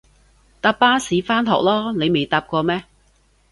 搭巴士返學囉，你未搭過咩？